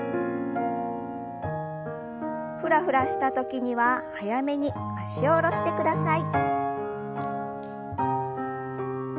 フラフラした時には早めに脚を下ろしてください。